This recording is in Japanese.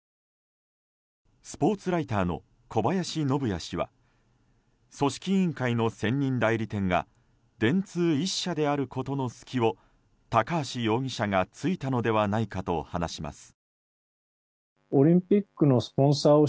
スポーツライターの小林信也氏は組織委員会の選任代理店が電通１社であることの隙を高橋容疑者が突いたのではないかと話します。